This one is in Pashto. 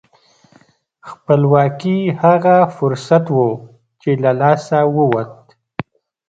خپلواکي هغه فرصت و چې له لاسه ووت.